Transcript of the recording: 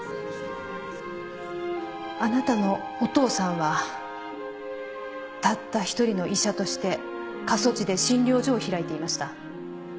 あなたのお父さんはたった一人の医者として過疎地で診療所を開いていました。